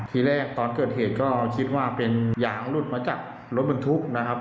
ทีแรกตอนเกิดเหตุก็คิดว่าเป็นยางหลุดมาจากรถบรรทุกนะครับ